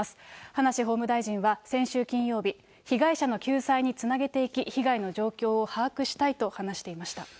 葉梨法務大臣は先週金曜日、被害者の救済につなげていき、被害の状況を把握したいと、話していました。